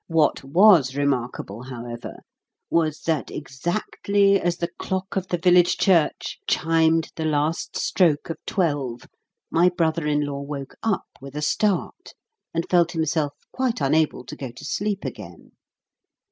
What WAS remarkable, however, was that exactly as the clock of the village church chimed the last stroke of twelve, my brother in law woke up with a start, and felt himself quite unable to go to sleep again.